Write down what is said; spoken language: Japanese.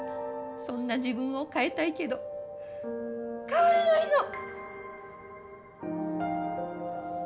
そんな自分を変えたいけど変われないの。